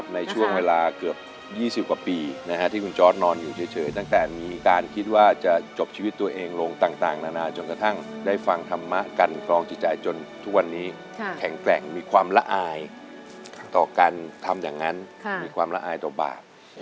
ในช่วงเวลาเกือบ๒๐กว่าปีที่คุณจอร์ดนอนอยู่เฉยตั้งแต่มีการคิดว่าจะจบชีวิตตัวเองลงต่างนานาจนกระทั่งได้ฟังธรรมะกันกรองจิตใจจนทุกวันนี้แข็งแกร่งมีความละอายต่อการทำอย่างนั้นมีความละอายต่อบาป